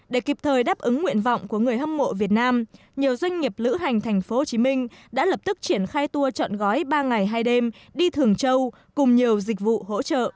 để kịp thời đáp ứng nguyện vọng của người hâm mộ việt nam nhiều doanh nghiệp lữ hành thành phố hồ chí minh đã lập tức triển khai tour trọn gói ba ngày hai đêm đi thường châu cùng nhiều dịch vụ hỗ trợ